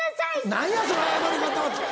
何やその謝り方！